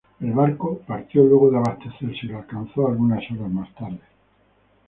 El barco partió luego de abastecerse y lo alcanzó algunas horas más tarde.